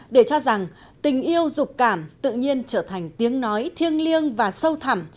để cho rằng tình yêu dục cảm tự nhiên trở thành tiếng nói thiêng liêng và sâu thẳm